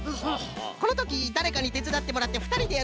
このときだれかにてつだってもらってふたりでやるのもいいぞい。